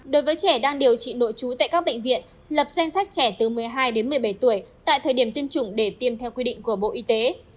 đối với trẻ đang điều trị nội trú tại các bệnh viện lập danh sách trẻ từ một mươi hai đến một mươi bảy tuổi tại thời điểm tiêm chủng để tiêm theo quy định của bộ y tế